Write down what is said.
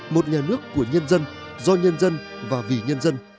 một nhà nước của nhân dân do nhân dân và vì nhân dân